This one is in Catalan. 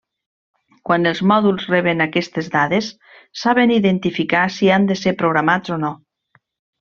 Quan els mòduls reben aquestes dades saben identificar si han de ser programats o no.